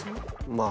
まあ。